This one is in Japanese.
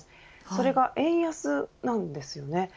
それが円安なんです。